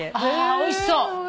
おいしそう。